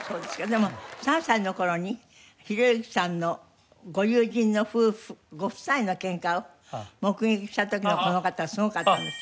でも３歳の頃に弘之さんのご友人の夫婦ご夫妻のケンカを目撃した時のこの方はすごかったんです？